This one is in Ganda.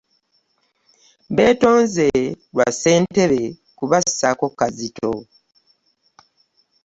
Beetonze lwa Ssentebe kubassaako kazito.